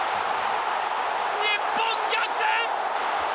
日本逆転。